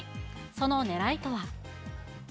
そのねらいとは。